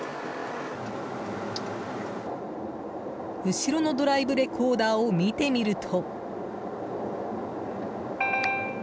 後ろのドライブレコーダーを見てみると。